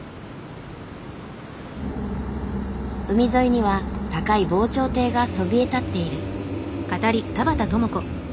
海沿いには高い防潮堤がそびえ立っている。